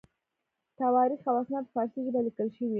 تواریخ او اسناد په فارسي ژبه لیکل شوي.